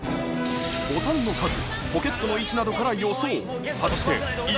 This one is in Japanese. ボタンの数ポケットの位置などから予想果たしてＢです！